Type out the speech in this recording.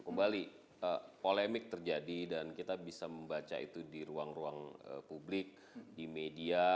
kembali polemik terjadi dan kita bisa membaca itu di ruang ruang publik di media